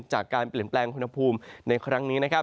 จากการเปลี่ยนแปลงอุทธภูมิในครั้งนี้